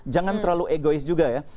jangan terlalu egois juga ya